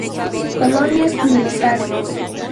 Colonias: Militar.